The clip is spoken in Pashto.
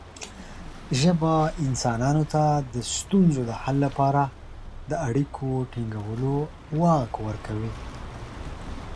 ژبه انسانانو ته د ستونزو د حل لپاره د اړیکو ټینګولو واک ورکوي.